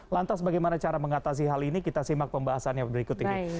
lantas bagaimana cara mengatasi hal ini kita simak pembahasannya berikut ini